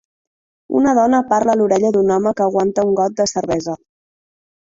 Una dona parla a l'orella d'un home que aguanta un got de cervesa.